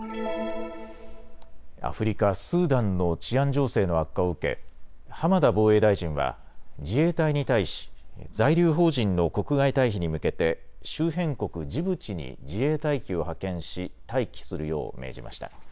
アフリカ・スーダンの治安情勢の悪化を受け浜田防衛大臣は自衛隊に対し在留邦人の国外退避に向けて周辺国ジブチに自衛隊機を派遣し待機するよう命じました。